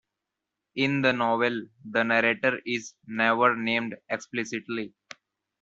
In the novel the narrator is never named explicitly.